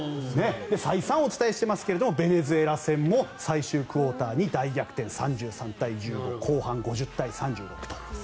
再三お伝えしていますがベネズエラ戦も最終クオーターに大逆転３３対１５後半は５０対３６と。